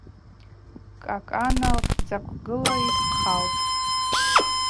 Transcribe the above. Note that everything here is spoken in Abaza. Кӏакӏана лтдзаквгыла йхъалтӏ.